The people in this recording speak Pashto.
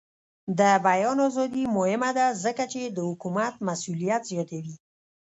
د بیان ازادي مهمه ده ځکه چې د حکومت مسؤلیت زیاتوي.